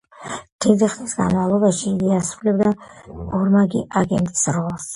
დიდი ხნის განმავლობაში იგი ასრულებდა ორმაგი აგენტის როლს.